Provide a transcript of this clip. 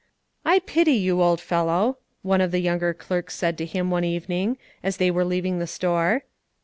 "I pity you, old fellow," one of the younger clerks said to him one evening, as they were leaving the store.